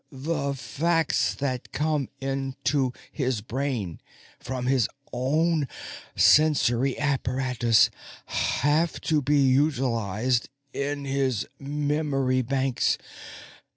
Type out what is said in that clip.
The facts that come into his brain from his own sensory apparatus have to be utilized in his memory banks.